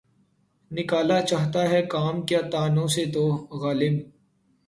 نکالا چاہتا ہے کام کیا طعنوں سے تو؟ غالبؔ!